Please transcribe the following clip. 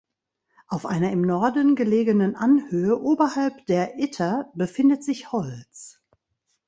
Auf einer im Norden gelegenen Anhöhe oberhalb der Itter befindet sich Holz.